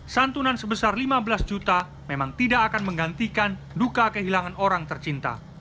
santunan sebesar lima belas juta memang tidak akan menggantikan duka kehilangan orang tercinta